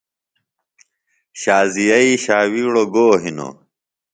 شازیئ ݜاوِیڑوۡ گو ہِنوۡ؟